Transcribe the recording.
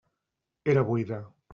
Era buida.